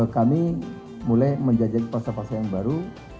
kami mulai menjajaki pasar pasar yang baru